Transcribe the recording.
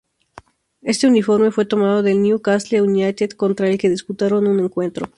Este uniforme fue tomado del Newcastle United contra el que disputaron un encuentro.